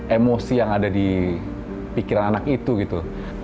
emosi yang ada di pikiran anak itu gitu